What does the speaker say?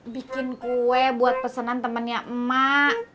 bikin kue buat pesenan temennya emak